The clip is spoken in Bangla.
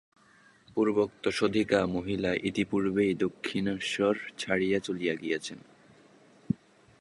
পূর্বোক্ত সাধিকা মহিলা ইতঃপূর্বেই দক্ষিণেশ্বর ছাড়িয়া চলিয়া গিয়াছেন।